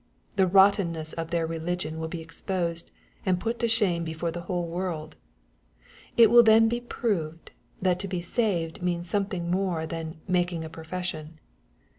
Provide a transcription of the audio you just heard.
The rottenness of their religion will be exposed and put to shame before the whole world. It will then be proved, that to be saved means something more than " making a profession."